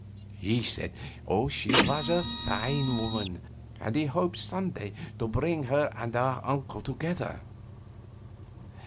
He said she was a fine woman, and he hoped some day to bring her and his uncle together.